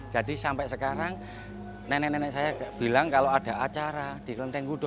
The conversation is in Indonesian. jadi sampai sekarang nenek nenek saya bilang kalau ada acara di klenteng gudo